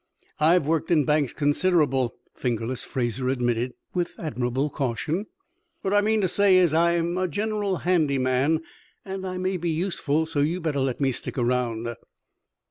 "I've worked in banks, considerable," "Fingerless" Fraser admitted, with admirable caution. "What I mean to say is, I'm a general handy man, and I may be useful, so you better let me stick around."